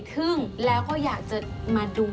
ทึ่งแล้วก็อยากจะมาดู